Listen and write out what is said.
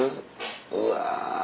うわ。